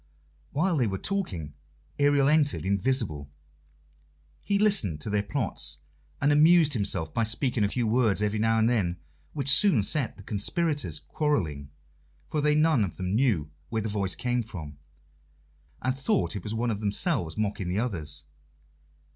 While they were talking, Ariel entered, invisible. He listened to their plots, and amused himself by speaking a few words every now and then, which soon set the conspirators quarrelling, for they none of them knew where the voice came from, and thought it was one of themselves mocking the others.